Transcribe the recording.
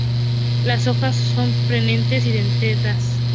Las hojas son perennes y dentadas.